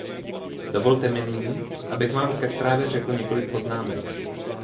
Dovolte mi nyní, abych vám ke zprávě řekl několik poznámek.